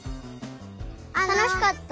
たのしかった！